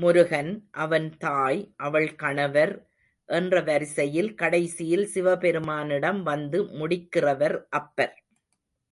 முருகன், அவன் தாய், அவள் கணவர் என்ற வரிசையில் கடைசியில் சிவபெருமானிடம் வந்து முடிக்கிறவர் அப்பர்.